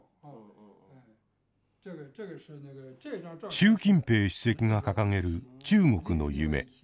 習近平主席が掲げる「中国の夢」。